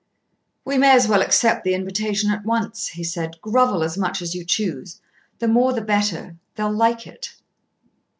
"We may as well accept the invitation at once," he said. "Grovel as much as you choose. The more the better. They'll like it."